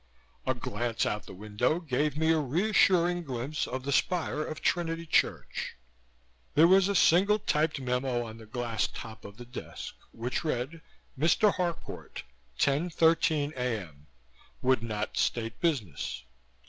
A glance out the window gave me a reassuring glimpse of the spire of Trinity Church. There was a single typed memo on the glass top of the desk, which read: "Mr. Harcourt, 10:13 a.m. Would not state business.